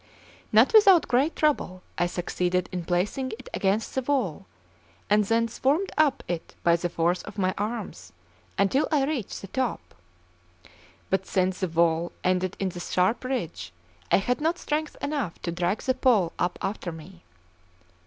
Not without great trouble I succeeded in placing it against the wall, and then swarmed up it by the force of my arms until I reached the top. But since the wall ended in a sharp ridge, I had not strength enough to drag the pole up after me.